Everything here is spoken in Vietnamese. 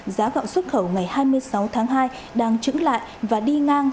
giá gạo xuất khẩu ngày hai mươi sáu tháng hai đang trứng lại và đi ngang